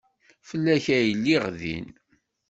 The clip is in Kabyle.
Fell-ak ay lliɣ din.